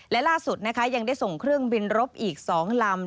และล่าสุดนะคะยังได้ส่งเครื่องบินรบอีก๒ลำ